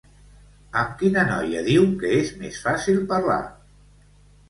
Amb quina noia diu que és més fàcil parlar?